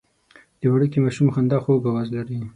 د وړوکي ماشوم خندا خوږ اواز لري.